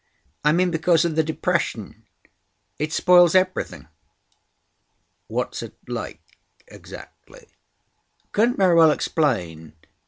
"I mean because of the depression. It spoils everything." "What's it like exactly?" "I couldn't very well explain.